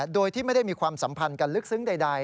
โดยที่ไม่ได้มีความสัมพันธ์กันลึกซึ้งใด